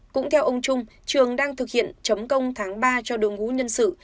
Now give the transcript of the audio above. cũng theo ông trung trường đang thực hiện chấm công tháng ba cho đội ngũ nhân sự